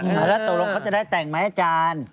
แล้วตกลงเขาจะได้แต่งไหมอาจารย์